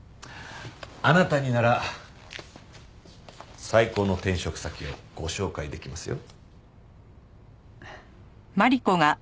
あなたになら最高の転職先をご紹介できますよ。